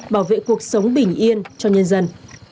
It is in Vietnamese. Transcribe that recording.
bảo vệ cuộc sống bình yên cho nhân dân